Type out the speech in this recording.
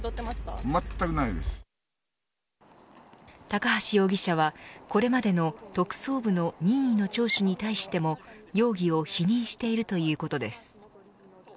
高橋容疑者はこれまでの特捜部の任意の聴取に対しても容疑を否認しているということです。